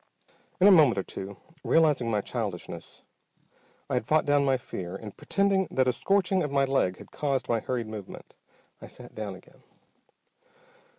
In a moment or two, realizing my childishness, I had fought down my fear and, pretending that a scorching of my leg had caused my hurried movement, I sat down again.